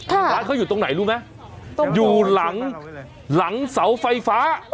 ร้านเขาอยู่ตรงไหนรู้ไหมอยู่หลังหลังเสาไฟฟ้า